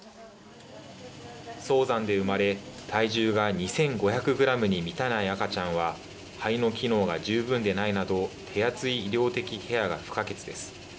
早産で生まれ、体重が２５００グラムに満たない赤ちゃんは肺の機能が十分でないなど手厚い医療的ケアが不可欠です。